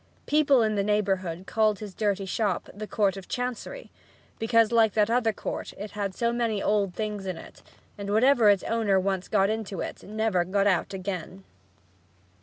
People in the neighborhood called his dirty shop the "Court of Chancery," because, like that other court, it had so many old things in it and whatever its owner once got into it never got out again.